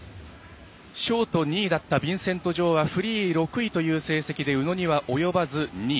ショート２位だったビンセント・ジョウはフリー６位という成績で宇野には及ばず２位。